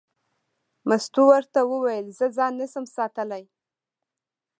مستو ورته وویل: زه ځان نه شم ساتلی.